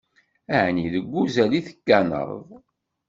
Ɛni deg uzal i tegganeḍ?